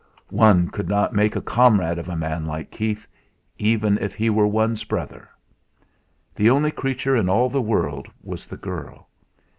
One could not make a comrade of a man like Keith, even if he were one's brother? The only creature in all the world was the girl.